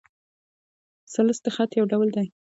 ثلث د خط؛ یو ډول دﺉ.